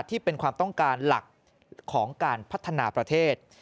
ที่เป็นความต้องการหลักของการพัฒนาประเทศ